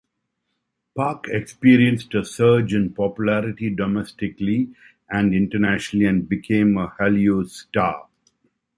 Park experienced a surge in popularity domestically and internationally, and became a Hallyu star.